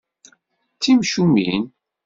D timcumin.